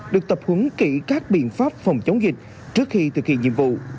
được tập huấn kỹ các biện pháp phòng chống dịch trước khi thực hiện nhiệm vụ